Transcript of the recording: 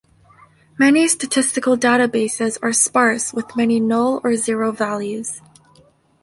Many statistical databases are sparse with many null or zero values.